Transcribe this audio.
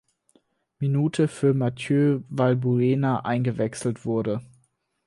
Minute für Mathieu Valbuena eingewechselt wurde.